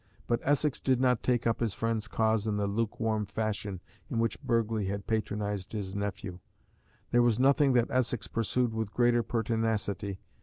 But Essex did not take up his friend's cause in the lukewarm fashion in which Burghley had patronised his nephew. There was nothing that Essex pursued with greater pertinacity.